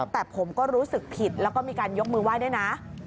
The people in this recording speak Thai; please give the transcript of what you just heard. แต่ผมก็รู้สึกผิดแล้วก็มีการยกมือไหว้ด้วยนะ